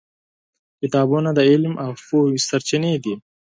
کتابونه د علم او پوهې سرچینې دي.